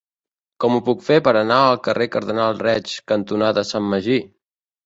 Com ho puc fer per anar al carrer Cardenal Reig cantonada Sant Magí?